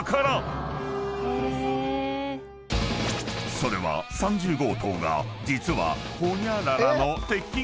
［それは３０号棟が実は］